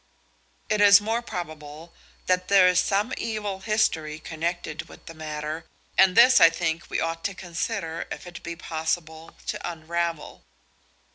It is more probable that there is some evil history connected with the matter, and this, I think, we ought to consider if it be possible to unravel."